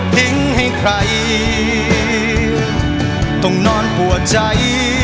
ทิ้งให้ใครต้องนอนปวดใจ